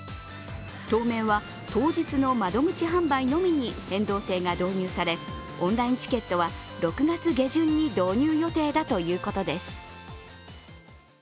当面は当日の窓口販売のみに変動制が導入され、オンラインチケットは６月下旬に導入予定だということです。